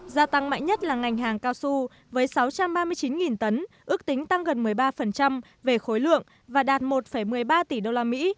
gia tăng mạnh nhất là ngành hàng cao su với sáu trăm ba mươi chín tấn ước tính tăng gần một mươi ba về khối lượng và đạt một một mươi ba tỷ đô la mỹ